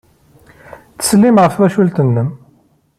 Ttsellim ɣef twacult-nnem.